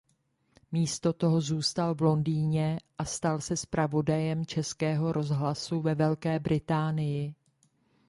Místo toho zůstal v Londýně a stal se zpravodajem Českého rozhlasu ve Velké Británii.